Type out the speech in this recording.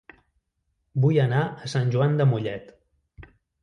Vull anar a Sant Joan de Mollet